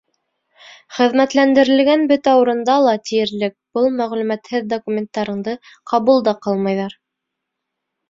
Хеҙмәтләндерелгән бөтә урында ла тиерлек был мәғлүмәтһеҙ документтарыңды ҡабул да ҡылмайҙар.